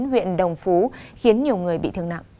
huyện đồng phú khiến nhiều người bị thương nặng